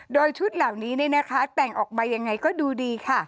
โดยชุดเหล่านี้แต่งออกมายังไงก็ดูดีค่ะ